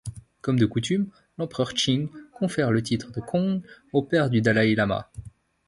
Comme de coutume, l'empereur Qing confère le titre de Gong au père du dalaï-lama.